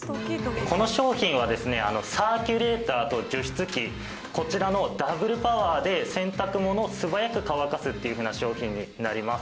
この商品はですねサーキュレーターと除湿機こちらのダブルパワーで洗濯物を素早く乾かすっていう風な商品になります。